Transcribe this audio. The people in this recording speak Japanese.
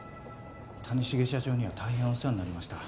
谷繁社長には大変お世話になりました